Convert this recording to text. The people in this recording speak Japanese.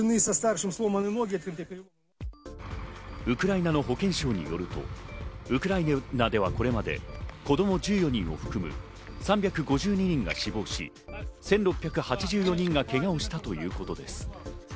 ウクライナの保健相によると、ウクライナではこれまで子供１４人を含む３５２人が死亡し、１６８４人がけがをしたということです。